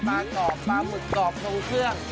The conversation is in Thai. กรอบปลาหมึกกรอบทรงเครื่อง